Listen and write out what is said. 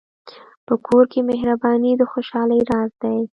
په کور کې مهرباني د خوشحالۍ راز دی.